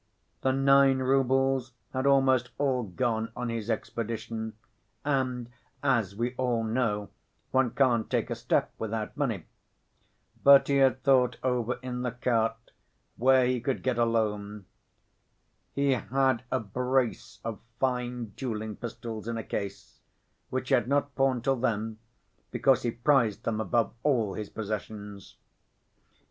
The nine roubles had almost all gone on his expedition. And, as we all know, one can't take a step without money. But he had thought over in the cart where he could get a loan. He had a brace of fine dueling pistols in a case, which he had not pawned till then because he prized them above all his possessions.